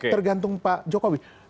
tergantung pak jokowi